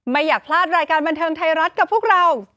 ไม่อยากพลาดรายการบันเทิงไทยรัฐกับพวกเรา